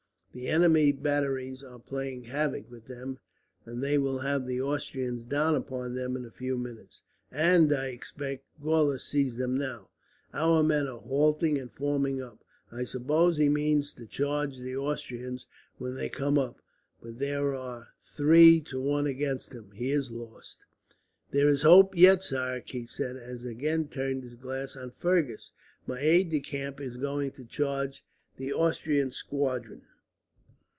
"The enemy's batteries are playing havoc with them, and they will have the Austrians down upon them in a few minutes. "Ah! I expect Gorlitz sees them now. Our men are halting, and forming up. I suppose he means to charge the Austrians when they come up, but there are three to one against him. He is lost." "There is hope yet, sire," Keith said, as he again turned his glass on Fergus. "My aide de camp is going to charge the Austrian squadron."